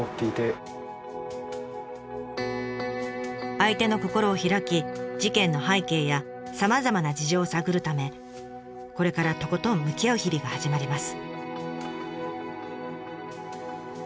相手の心を開き事件の背景やさまざまな事情を探るためこれからとことん向き合う日々が始まります。